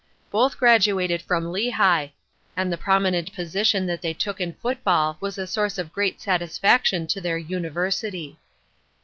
Both graduated from Lehigh, and the prominent position that they took in football was a source of great satisfaction to their university.